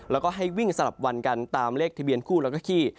แล้วก็ให้วิ่งสลับวันกันตามเลขทะเบียนคู่แล้วก็ขี้